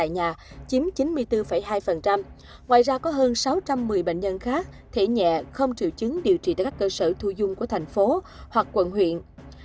ngoài ra có hơn sáu trăm một mươi bệnh nhân khác thể nhẹ không triệu chứng điều trị tại các cơ sở thu dung của thành phố hoặc quận huyện